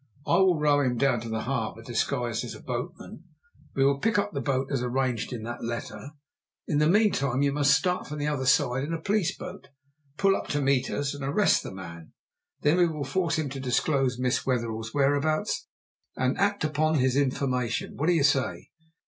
I will row him down the harbour disguised as a boatman. We will pick up the boat, as arranged in that letter. In the meantime you must start from the other side in a police boat, pull up to meet us, and arrest the man. Then we will force him to disclose Miss Wetherell's whereabouts, and act upon his information. What do you say?"